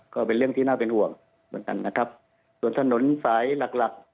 ก็เป็นเรื่องที่น่าเป็นห่วงเหมือนกันนะครับส่วนถนนสายหลักหลัก